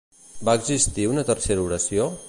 Va existir una tercera oració?